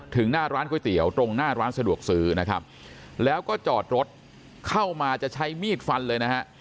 หน้าร้านก๋วยเตี๋ยวตรงหน้าร้านสะดวกซื้อนะครับแล้วก็จอดรถเข้ามาจะใช้มีดฟันเลยนะฮะ